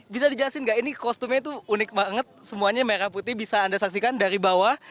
bisa dijelasin nggak ini kostumnya tuh unik banget semuanya merah putih bisa anda saksikan dari bawah